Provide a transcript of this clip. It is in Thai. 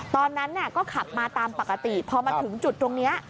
ตอนนั้นก็ขับมาตามปกติพอมาถึงจุดตรงนี้